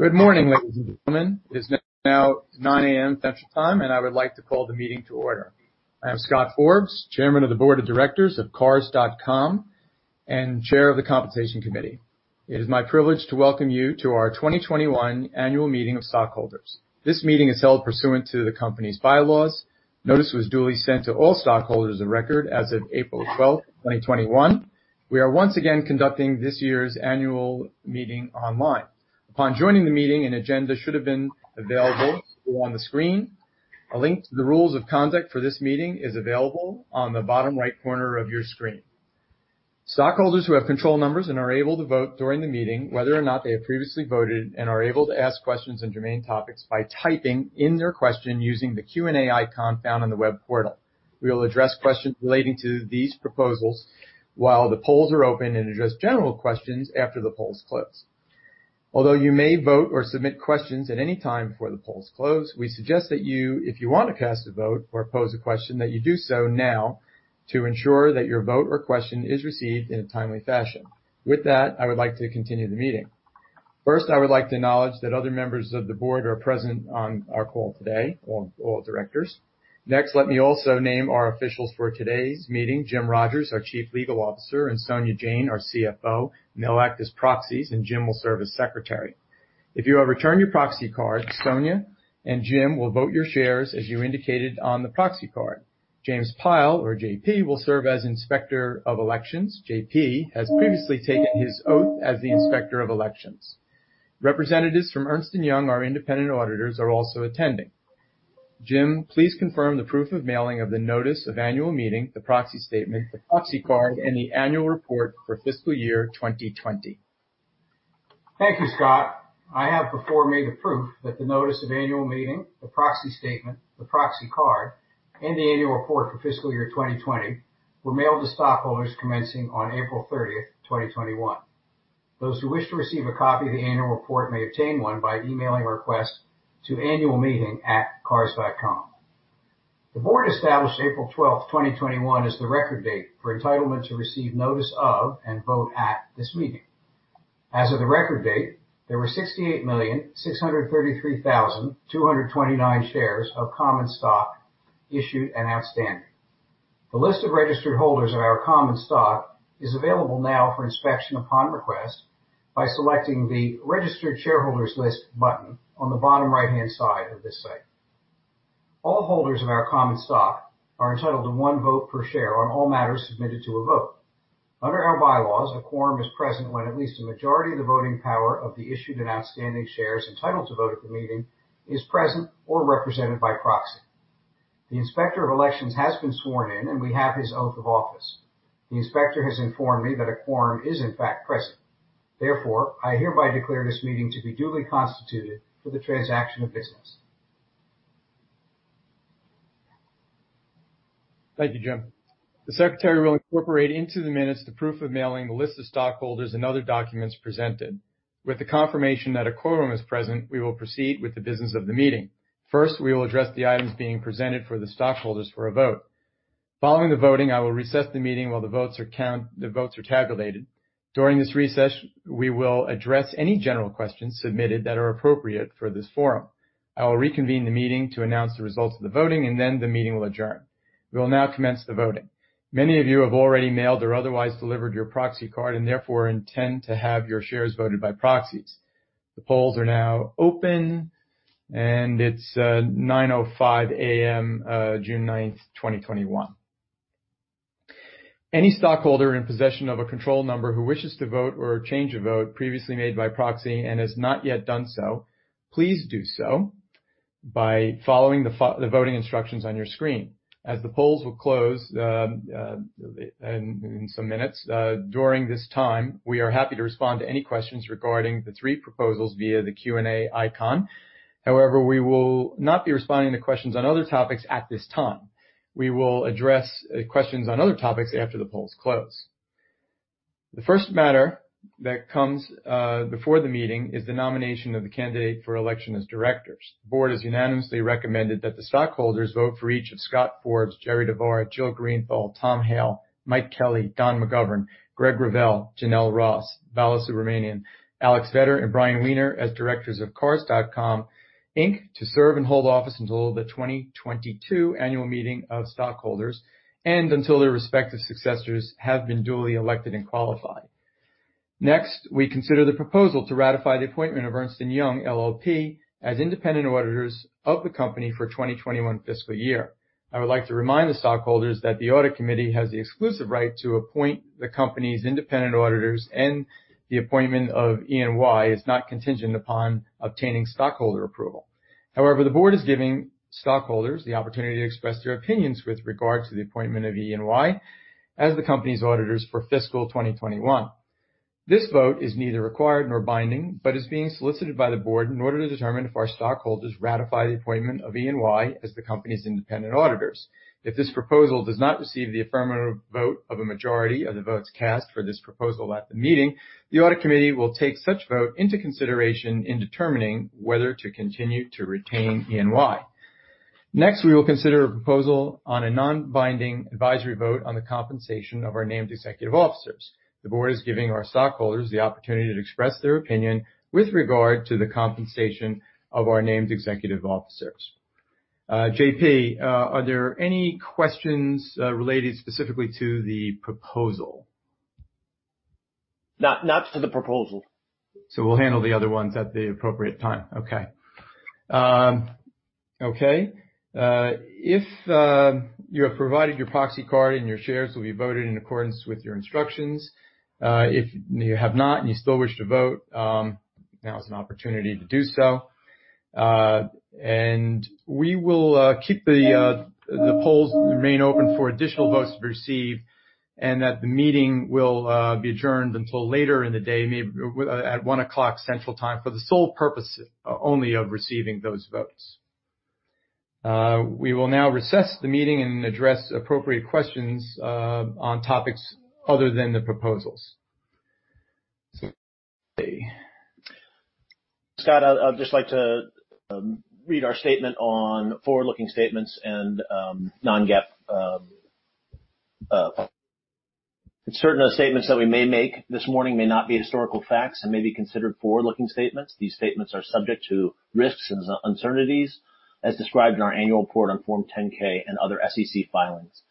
Good morning, ladies and gentlemen. It is now 9:00 A.M. Central Time, and I would like to call the meeting to order. I am Scott Forbes, Chairman of the Board of Directors of Cars.com and Chair of the Compensation Committee. It is my privilege to welcome you to our 2021 annual meeting of stockholders. This meeting is held pursuant to the company's bylaws. Notice was duly sent to all stockholders of record as of April 12th, 2021. We are once again conducting this year's annual meeting online. Upon joining the meeting, an agenda should have been available or on the screen. A link to the rules of conduct for this meeting is available on the bottom right corner of your screen. Stockholders who have control numbers and are able to vote during the meeting, whether or not they have previously voted and are able to ask questions on germane topics by typing in their question using the Q&A icon found on the web portal. We will address questions relating to these proposals while the polls are open and address general questions after the polls close. Although you may vote or submit questions at any time before the polls close, we suggest that you, if you want to cast a vote or pose a question, that you do so now to ensure that your vote or question is received in a timely fashion. With that, I would like to continue the meeting. First, I would like to acknowledge that other members of the board are present on our call today, or directors. Next, let me also name our officials for today's meeting, Jim Rogers, our Chief Legal Officer, and Sonia Jain, our CFO. They'll act as proxies, and Jim will serve as secretary. If you have returned your proxy card, Sonia and Jim will vote your shares as you indicated on the proxy card. James Pyle or JP will serve as Inspector of Elections. JP has previously taken his oath as the Inspector of Elections. Representatives from Ernst & Young, our independent auditors, are also attending. Jim, please confirm the proof of mailing of the notice of annual meeting, the proxy statement, the proxy card, and the annual report for fiscal year 2020. Thank you, Scott. I have before me the proof that the notice of annual meeting, the proxy statement, the proxy card, and the annual report for fiscal year 2020 were mailed to stockholders commencing on April 30th, 2021. Those who wish to receive a copy of the annual report may obtain one by emailing a request to annualmeeting@cars.com. The board established April 12th, 2021, as the record date for entitlement to receive notice of and vote at this meeting. As of the record date, there were 68,633,229 shares of common stock issued and outstanding. The list of registered holders of our common stock is available now for inspection upon request by selecting the Registered Shareholders List button on the bottom right-hand side of this site. All holders of our common stock are entitled to one vote per share on all matters submitted to a vote. Under our bylaws, a quorum is present when at least a majority of the voting power of the issued and outstanding shares entitled to vote at the meeting is present or represented by proxy. The Inspector of Elections has been sworn in, and we have his oath of office. The Inspector has informed me that a quorum is, in fact, present. Therefore, I hereby declare this meeting to be duly constituted for the transaction of business. Thank you, Jim. The secretary will incorporate into the minutes the proof of mailing, the list of stockholders, and other documents presented. With the confirmation that a quorum is present, we will proceed with the business of the meeting. First, we will address the items being presented for the stockholders for a vote. Following the voting, I will recess the meeting while the votes are tabulated. During this recess, we will address any general questions submitted that are appropriate for this forum. I will reconvene the meeting to announce the results of the voting, and then the meeting will adjourn. We will now commence the voting. Many of you have already mailed or otherwise delivered your proxy card and therefore intend to have your shares voted by proxies. The polls are now open, and it's 9:05 A.M., June 9th, 2021. Any stockholder in possession of a control number who wishes to vote or change a vote previously made by proxy and has not yet done so, please do so by following the voting instructions on your screen. As the polls will close in some minutes, during this time, we are happy to respond to any questions regarding the three proposals via the Q&A icon. However, we will not be responding to questions on other topics at this time. We will address questions on other topics after the polls close. The first matter that comes before the meeting is the nomination of the candidate for election as directors. The board has unanimously recommended that the stockholders vote for each of Scott Forbes, Jerri DeVard, Jill Greenthal, Thomas Hale, Michael Kelly, Donald A. McGovern Jr., Greg Revelle, Jenell Ross, Bala Subramanian, Alex Vetter, and Bryan Wiener as directors of Cars.com Inc., to serve and hold office until the 2022 annual meeting of stockholders and until their respective successors have been duly elected and qualified. We consider the proposal to ratify the appointment of Ernst & Young LLP as independent auditors of the company for 2021 fiscal year. I would like to remind the stockholders that the audit committee has the exclusive right to appoint the company's independent auditors, and the appointment of E&Y is not contingent upon obtaining stockholder approval. The board is giving stockholders the opportunity to express their opinions with regard to the appointment of E&Y as the company's auditors for fiscal 2021. This vote is neither required nor binding, but is being solicited by the board in order to determine if our stockholders ratify the appointment of E&Y as the company's independent auditors. If this proposal does not receive the affirmative vote of a majority of the votes cast for this proposal at the meeting, the audit committee will take such vote into consideration in determining whether to continue to retain E&Y. Next, we will consider a proposal on a non-binding advisory vote on the compensation of our named executive officers. The board is giving our stockholders the opportunity to express their opinion with regard to the compensation of our named executive officers. J.P., are there any questions related specifically to the proposal? Not to the proposal. We'll handle the other ones at the appropriate time. Okay. If you have provided your proxy card and your shares will be voted in accordance with your instructions. If you have not and you still wish to vote, now's an opportunity to do so. We will keep the polls remain open for additional votes to receive, and that the meeting will be adjourned until later in the day, at 1:00 P.M. Central time, for the sole purpose only of receiving those votes. We will now recess the meeting and address appropriate questions, on topics other than the proposals. Let's see. Scott, I'd just like to read our statement on forward-looking statements and non-GAAP. Certain statements that we may make this morning may not be historical facts and may be considered forward-looking statements. These statements are subject to risks and uncertainties as described in our annual report on Form 10-K and other SEC filings.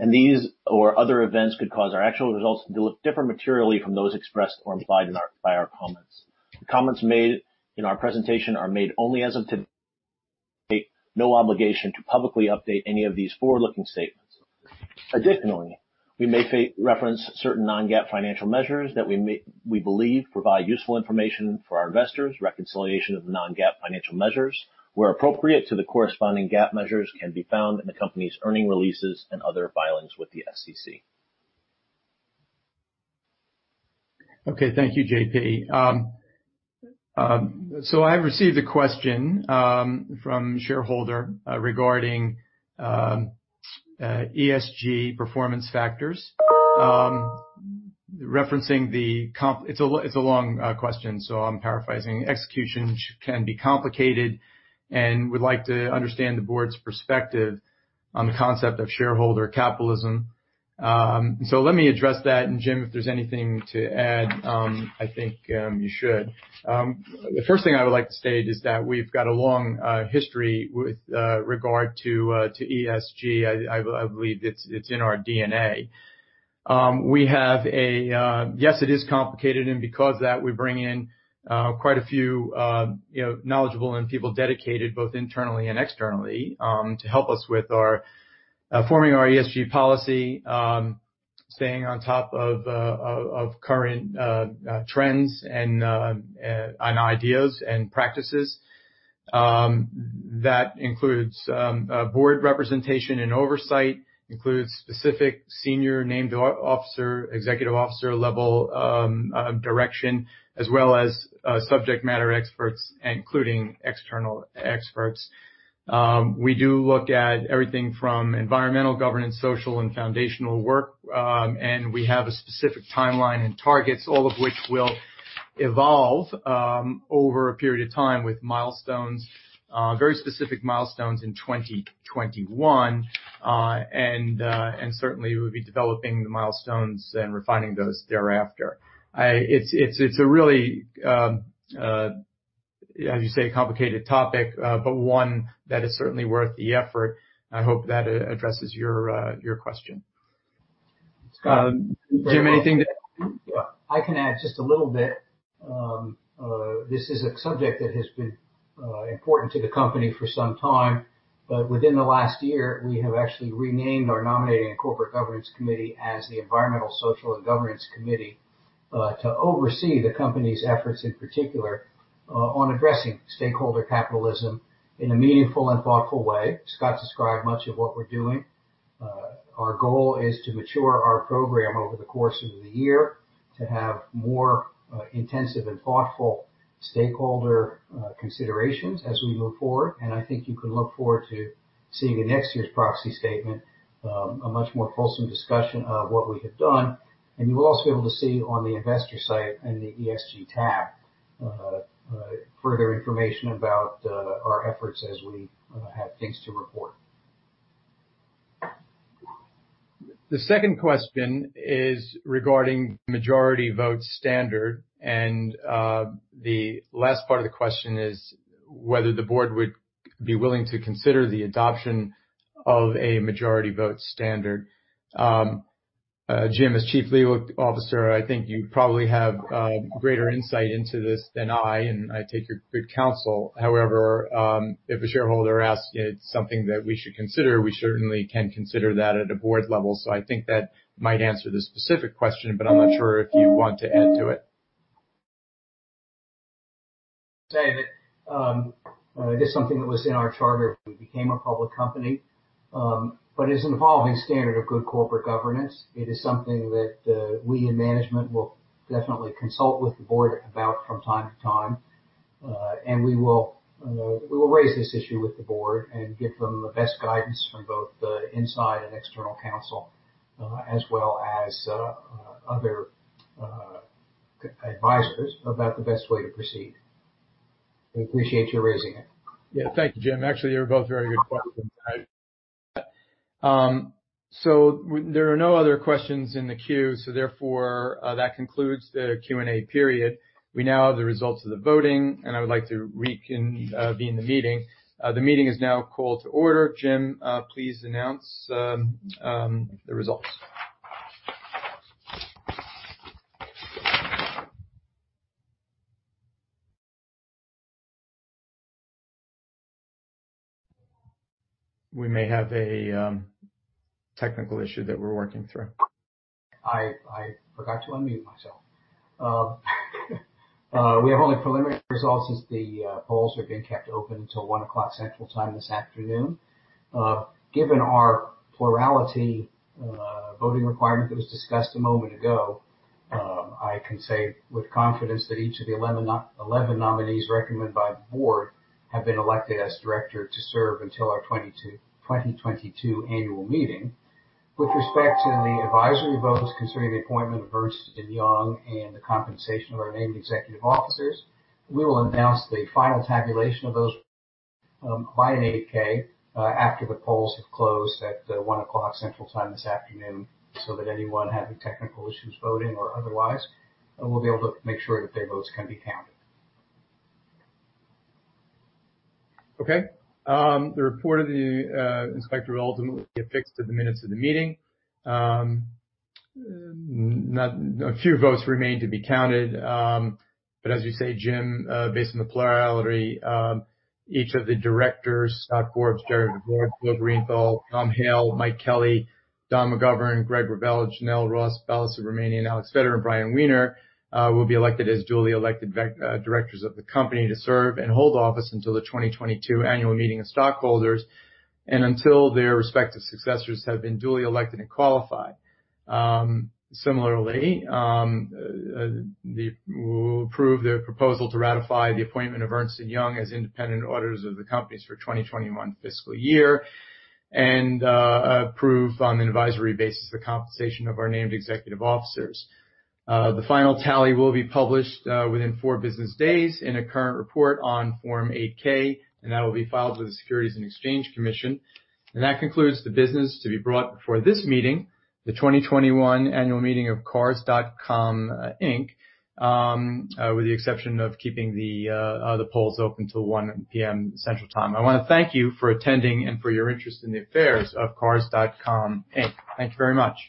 These or other events could cause our actual results to look different materially from those expressed or implied by our comments. The comments made in our presentation are made only as of today's date, no obligation to publicly update any of these forward-looking statements. Additionally, we may reference certain non-GAAP financial measures that we believe provide useful information for our investors. Reconciliation of non-GAAP financial measures, where appropriate to the corresponding GAAP measures, can be found in the company's earnings releases and other filings with the SEC. Okay. Thank you, JP. I have received a question from a shareholder regarding ESG performance factors. It's a long question, so I'm paraphrasing. Executions can be complicated and would like to understand the board's perspective on the concept of shareholder capitalism. Let me address that, and Jim, if there's anything to add, I think you should. The first thing I would like to state is that we've got a long history with regard to ESG. I believe it's in our DNA. Yes, it is complicated, and because of that, we bring in quite a few knowledgeable and people dedicated both internally and externally, to help us with forming our ESG policy, staying on top of current trends and ideas and practices. That includes board representation and oversight, includes specific senior named officer, executive officer level direction, as well as subject matter experts, including external experts. We do look at everything from environmental, governance, social, and foundational work. We have a specific timeline and targets, all of which will evolve over a period of time with milestones, very specific milestones in 2021. Certainly, we'll be developing the milestones and refining those thereafter. It's a really, as you say, complicated topic, but one that is certainly worth the effort. I hope that addresses your question. Jim, anything to add? I can add just a little bit. This is a subject that has been important to the company for some time. Within the last year, we have actually renamed our nominating and corporate governance committee as the environmental, social, and governance committee, to oversee the company's efforts, in particular, on addressing stakeholder capitalism in a meaningful and thoughtful way. Scott described much of what we're doing. Our goal is to mature our program over the course of the year to have more intensive and thoughtful stakeholder considerations as we move forward. I think you can look forward to seeing in next year's proxy statement, a much more fulsome discussion of what we have done. You'll also be able to see on the investor site in the ESG tab, further information about our efforts as we have things to report. The second question is regarding majority vote standard, and the last part of the question is whether the board would be willing to consider the adoption of a majority vote standard. Jim, as Chief Legal Officer, I think you probably have greater insight into this than I, and I take your good counsel. However, if a shareholder asks something that we should consider, we certainly can consider that at a board level. I think that might answer the specific question, but I'm not sure if you want to add to it. Say that, this is something that was in our charter when we became a public company, but it's an evolving standard of good corporate governance. It is something that we in management will definitely consult with the Board about from time to time. We will raise this issue with the Board and give them the best guidance from both the inside and external counsel, as well as other advisors about the best way to proceed. I appreciate you raising it. Yeah. Thank you, Jim. Actually, they're both very good points. There are no other questions in the queue, so therefore, that concludes the Q&A period. We now have the results of the voting, and I would like to reconvene the meeting. The meeting is now called to order. Jim, please announce the results. We may have a technical issue that we're working through. I forgot to unmute myself. We have only preliminary results as the polls are being kept open till 1:00 P.M. Central Time this afternoon. Given our plurality voting requirement that was discussed a moment ago, I can say with confidence that each of the 11 nominees recommended by the board have been elected as director to serve until our 2022 annual meeting. With respect to the advisory votes concerning the appointment of Ernst & Young and the compensation of our named executive officers, we'll announce the final tabulation of those by an 8-K after the polls have closed at 1:00 P.M. Central Time this afternoon, so that anyone having technical issues, voting or otherwise, will be able to make sure that their votes can be counted. The report of the inspector will ultimately be affixed to the minutes of the meeting. A few votes remain to be counted. As you say, Jim, based on the plurality, each of the directors, Scott Forbes, Gary Ford, Philip Greenfeld, Tom Hale, Mike Kelly, Don McGovern, Greg Revelle, Jenell Ross, Bala Subramanian, Alex Vetter, and Bryan Wiener will be elected as duly elected directors of the company to serve and hold office until the 2022 annual meeting of stockholders and until their respective successors have been duly elected and qualified. Similarly, we will approve the proposal to ratify the appointment of Ernst & Young as independent auditors of the company for 2021 fiscal year and approve on an advisory basis the compensation of our named executive officers. The final tally will be published within four business days in a current report on Form 8-K. That will be filed with the Securities and Exchange Commission. That concludes the business to be brought before this meeting, the 2021 annual meeting of Cars.com Inc., with the exception of keeping the polls open till 1:00 P.M. Central Time. I want to thank you for attending and for your interest in the affairs of Cars.com Inc. Thank you very much